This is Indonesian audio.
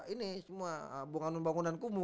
ini cuma bunga bunga bangunan kumuh